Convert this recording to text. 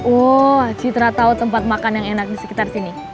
wah citra tahu tempat makan yang enak di sekitar sini